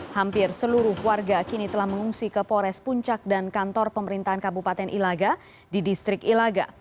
hampir seluruh warga kini telah mengungsi ke pores puncak dan kantor pemerintahan kabupaten ilaga di distrik ilaga